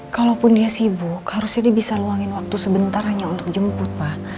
kalaupun dia sibuk harusnya dia bisa luangin waktu sebentar hanya untuk jemput pak